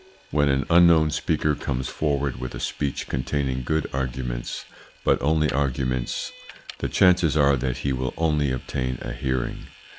When an unknown speaker comes forward with a speech containing good arguments, but only arguments, the chances are that he will only obtain a hearing.